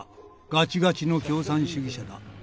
ガチガチの共産主義者だ」。